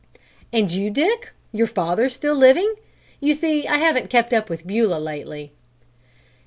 "And you, Dick? Your father's still living? You see I haven't kept up with Beulah lately."